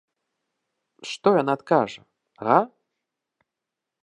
Што яна адкажа, га?